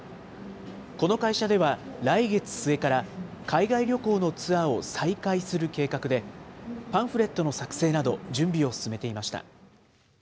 この会社では、来月末から海外旅行のツアーを再開する計画で、パンフレットの作成など、準備を進めていました。